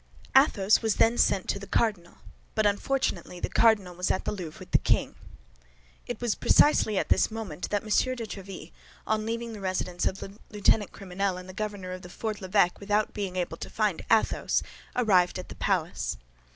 Athos was then sent to the cardinal; but unfortunately the cardinal was at the Louvre with the king. It was precisely at this moment that M. de Tréville, on leaving the residence of the lieutenant criminel and the governor of Fort l'Evêque without being able to find Athos, arrived at the palace.